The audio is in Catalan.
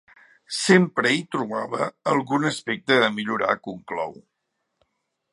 Sempre hi trobava algun aspecte a millorar, conclou.